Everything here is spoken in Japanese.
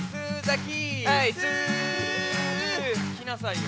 きなさいよ。